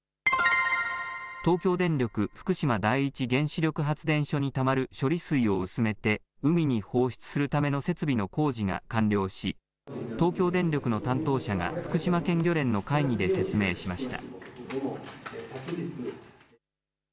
東京電力福島第一原子力発電所にたまる処理水を薄めて海に放出するための設備の工事が完了し、東京電力の担当者が、福島県漁連の会議で説明しました。